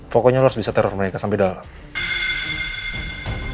pokoknya lo harus bisa teror mereka sampai dalam